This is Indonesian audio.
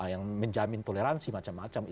yang menjamin toleransi macam macam